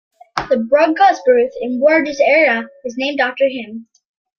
The Broadcast booth in Rogers Arena is named after him.